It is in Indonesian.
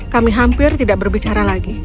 kami hampir tidak berbicara lagi